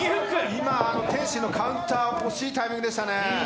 今、天心のカウンター、惜しいタイミングでしたね。